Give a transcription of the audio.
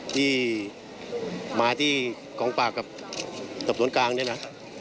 ที่มาที่กองปากกับตบสนกลางเนี่ยนะ